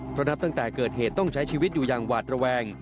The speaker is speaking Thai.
เพราะนับตั้งแต่เกิดเหตุต้องใช้ชีวิตอยู่อย่างหวาดระแวง